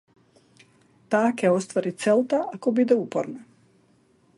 Таа ќе ја оствари целта ако биде упорна.